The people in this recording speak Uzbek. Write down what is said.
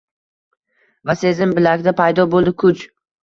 Va sezdim bilakda paydo bo’ldi kuch